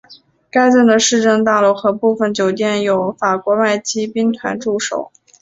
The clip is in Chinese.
该镇的市政大楼和部分酒店有法国外籍兵团驻守。